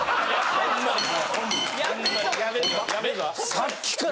さっきから。